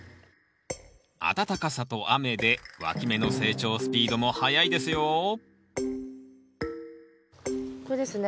暖かさと雨でわき芽の成長スピードも速いですよこれですね？